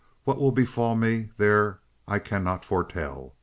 What will befall me there I cannot foretell.